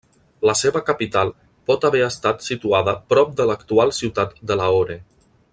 La seva capital pot haver estat situada prop de l'actual ciutat de Lahore.